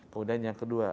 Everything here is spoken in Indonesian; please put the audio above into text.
kemudian yang kedua